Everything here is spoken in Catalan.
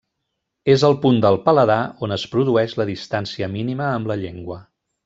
És el punt del paladar on es produeix la distància mínima amb la llengua.